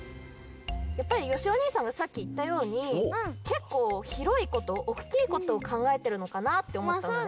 やっぱりよしお兄さんがさっきいったようにけっこうひろいことおっきいことをかんがえているのかなっておもったのね。